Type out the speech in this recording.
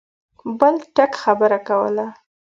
بل ټک خبره کوله.